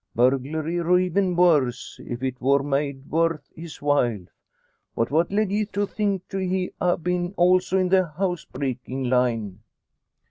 Burglary, or even worse, if it wor made worth his while. But what led ye to think he ha' been also in the housebreaking line?"